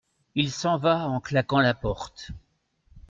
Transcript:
Il s’en va en claquant la porte.